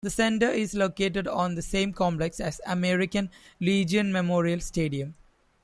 The center is located on the same complex as American Legion Memorial Stadium.